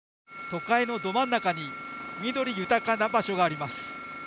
都会のど真ん中に緑豊かな場所があります。